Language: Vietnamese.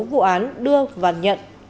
vụ án đưa và nhận